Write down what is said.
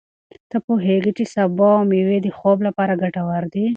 ایا ته پوهېږې چې سبو او مېوې د خوب لپاره ګټور دي؟